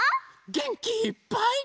げんきいっぱい。